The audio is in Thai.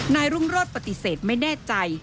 นายรุ่งรถปฏิเสธไม่แน่ใจ